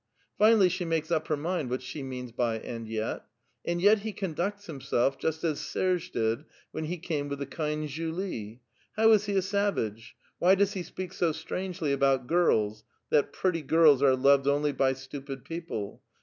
Finally she makes up her mind what she means l)y "and yet." "And yet be con ducts himself just as Serge did when he came with the kind Julie. How is he a savage ? AVhy does he speak so strangely abont girls? 'that pretty girls are loved only by stupid peo ple?